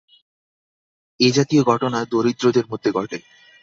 এ-জাতীয় ঘটনা দরিদ্রদের মধ্যে ঘটে।